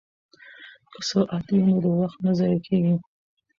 که سرعت وي نو وخت نه ضایع کیږي.